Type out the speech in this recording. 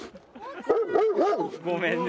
ごめんね。